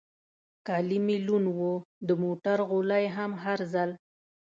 کالي مې لوند و، د موټر غولی هم هر ځل.